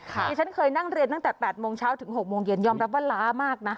ดิฉันเคยนั่งเรียนตั้งแต่๘โมงเช้าถึง๖โมงเย็นยอมรับว่าล้ามากนะ